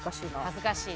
恥ずかしい。